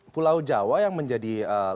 pulau jawa yang menjadi